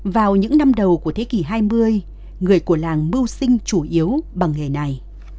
vào những năm đầu của thế kỷ hai mươi người của làng mưu sinh chủ yếu bằng nghề này